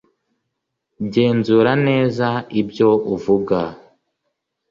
Genzura neza ibyo uvuga